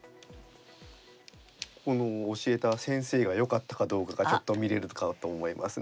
この教えた先生がよかったかどうかがちょっと見れるかと思いますね。